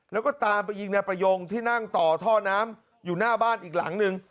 แล้วก็ตามไปยิงนายประยงที่นั่งต่อท่อน้ำอยู่หน้าบ้านอีกหลังนึง